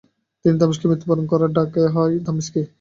তিনি দামেস্কে মৃত্যু বরণ করায় ডাকা হয় দামেস্কি।